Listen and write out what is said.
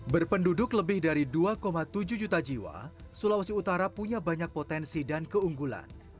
berpenduduk lebih dari dua tujuh juta jiwa sulawesi utara punya banyak potensi dan keunggulan